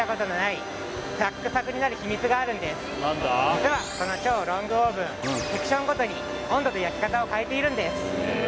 実はこの超ロングオーブンセクションごとに温度と焼き方を変えているんです